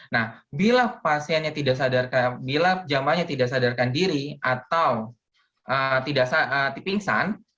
nah bila jemaahnya tidak sadarkan diri atau tidak dipingsan